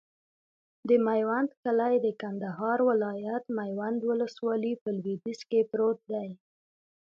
د میوند کلی د کندهار ولایت، میوند ولسوالي په لویدیځ کې پروت دی.